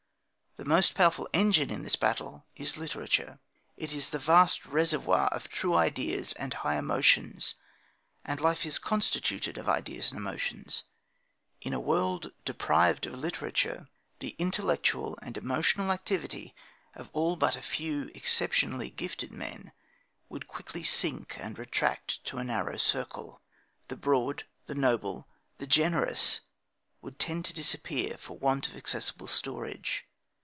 The most powerful engine in this battle is literature. It is the vast reservoir of true ideas and high emotions and life is constituted of ideas and emotions. In a world deprived of literature, the intellectual and emotional activity of all but a few exceptionally gifted men would quickly sink and retract to a narrow circle. The broad, the noble, the generous would tend to disappear for want of accessible storage.